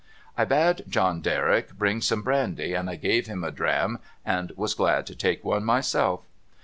I bade John Derrick bring some brandy, and I gave him a dram, and was glad to take one myself.